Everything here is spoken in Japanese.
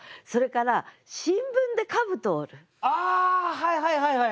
はいはいはいはい。